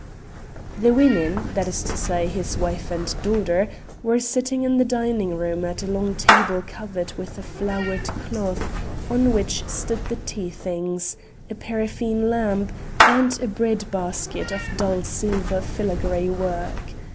The women, that is to say his wife and daughter, were sitting in the dining room at a long table covered with a flowered cloth, on which stood the tea things, a paraffine lamp, and a breadbasket of dull silver filagree work.